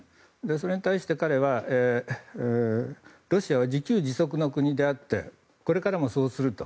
それに対して、彼はロシアは自給自足の国であってこれからもそうすると。